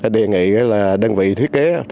đề nghị là đơn vị thiết kế